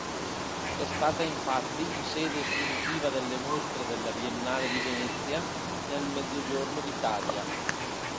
È stata, infatti, sede espositiva delle mostre della Biennale di Venezia nel Mezzogiorno d'Italia.